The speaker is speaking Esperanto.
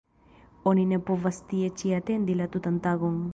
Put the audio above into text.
Oni ne povas tie ĉi atendi la tutan tagon.